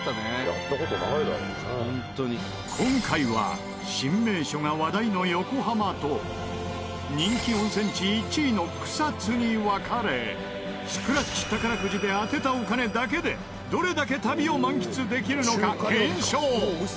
今回は新名所が話題の横浜と人気温泉地１位の草津に分かれスクラッチ宝くじで当てたお金だけでどれだけ旅を満喫できるのか検証！